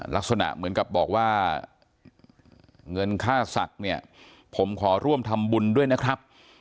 ลักษณะเหมือนกับบอกว่าเงินค่าศักดิ์เนี่ยผมขอร่วมทำบุญด้วยนะครับ